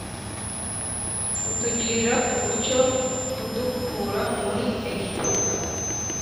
Utugirira utyo kudukura muri egiputa